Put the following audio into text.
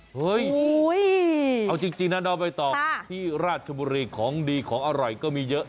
เฮ้ยเอาจริงนะน้องใบตองที่ราชบุรีของดีของอร่อยก็มีเยอะ